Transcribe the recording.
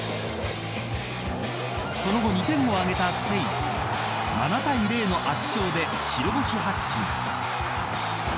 その後、２点を挙げたスペイン７対０の圧勝で白星発進。